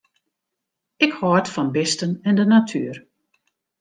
Ik hâld fan bisten en de natuer.